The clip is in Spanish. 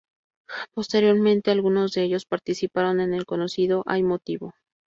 Posteriormente, algunos de ellos participaron en el conocido ¡Hay motivo!.